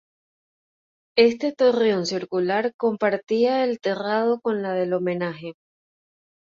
Este torreón circular compartía el terrado con la del homenaje.